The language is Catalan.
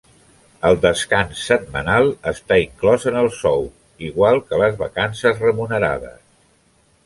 El descans setmanal està inclòs en el sou, igual que les vacances remunerades.